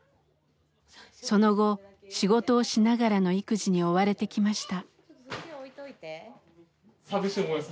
その後仕事をしながらの育児に追われてきました。